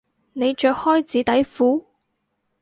你着開紙底褲？